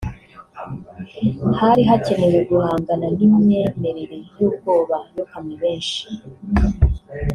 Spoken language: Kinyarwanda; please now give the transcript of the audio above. Hari hakenewe guhangana n’imyemerere y’ubwoba yokamye benshi